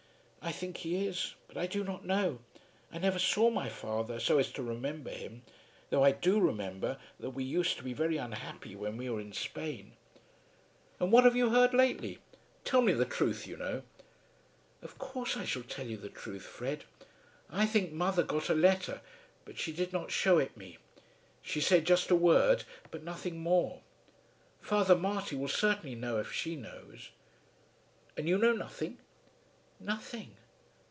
"I think he is; but I do not know. I never saw my father so as to remember him; though I do remember that we used to be very unhappy when we were in Spain." "And what have you heard lately? Tell me the truth, you know." "Of course I shall tell you the truth, Fred. I think mother got a letter, but she did not shew it me. She said just a word, but nothing more. Father Marty will certainly know if she knows." "And you know nothing?" "Nothing."